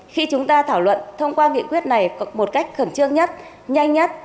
khi chúng ta thảo luận thông qua nghị quyết này một cách khẩn trương nhất nhanh nhất